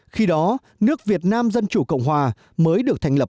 khi đó nước việt nam dân chủ cộng hòa mới được thành lập